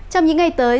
trong những ngày tới